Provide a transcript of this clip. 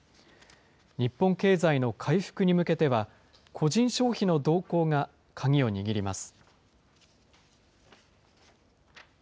日本経済の回復に向けては、個人消費の動向が鍵を握ります。